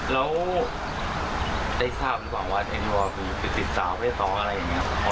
แล้วได้ทราบหรือเปล่าว่าเอ็นโนวาคุณติดสาวเพศ๒อะไรอย่างนี้ครับ